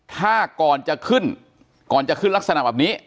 ถ้าก่อนจะขึ้นลักษณะแบบนี้